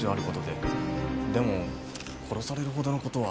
でも殺されるほどの事は。